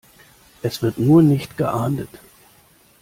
Es wird nur nicht geahndet.